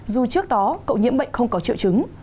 dù trước đó cậu nhiễm bệnh không có triệu chứng